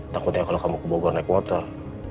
takutnya kalau kamu keboboran naik motor